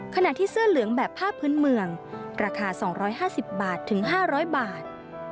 ขณะที่เสื้อเหลืองแบบผ้าพื้นเมืองราคา๒๕๐บาทถึง๕๐๐บาท